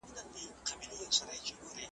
تا ته می پخوا پېیلی هار دی بیا به نه وینو `